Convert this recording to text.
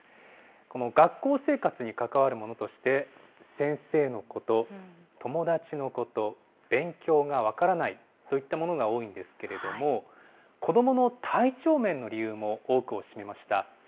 この学校生活に関わるものとして、先生のこと、友達のこと、勉強が分からないといったものが多いんですけれども、子どもの体調面の理由も多くを占めました。